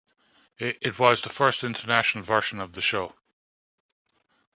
It was the first international version of the show.